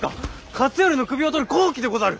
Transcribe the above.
勝頼の首を取る好機でござる！